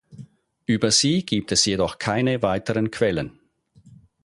Über sie gibt es jedoch keine weiteren Quellen.